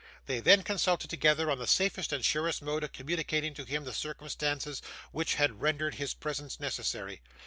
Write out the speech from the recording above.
They then consulted together on the safest and surest mode of communicating to him the circumstances which had rendered his presence necessary.